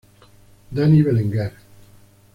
Dani Belenguer.